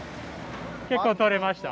結構取れました？